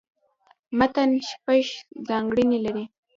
متن شپږ ځانګړني لري.